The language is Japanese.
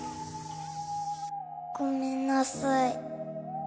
ごめんなさい